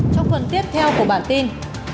trong phần tiếp theo của bản tin